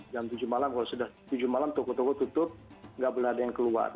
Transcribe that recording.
jam tujuh malam kalau sudah tujuh malam toko toko tutup nggak boleh ada yang keluar